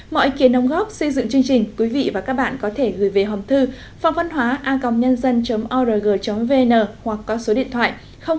mọi ý kiến đóng góp xây dựng chương trình quý vị và các bạn có thể gửi về hầm thư phongvănhoa org vn hoặc có số điện thoại hai nghìn bốn trăm ba mươi hai sáu trăm sáu mươi chín năm trăm linh tám